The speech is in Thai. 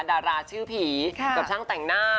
ดาราชื่อผีกับช่างแต่งหน้า